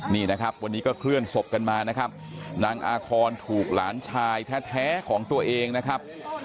นี่นะครับวันนี้ก็เคลื่อนศพกันมานะครับนางอาคอนถูกหลานชายแท้ของตัวเองนะครับ